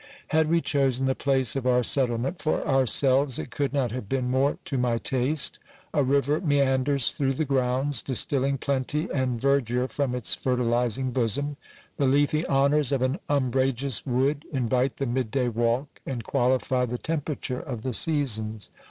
Had we c'losen the place of our settlement for ourselves, it could not have been more to my taste : a river meanders through the grounds, distilling plenty and ver dure from its fertilizing bosom; the leafy honours of an umbrageous wood invite the mid day walk, and qualify the temperature of the seasons.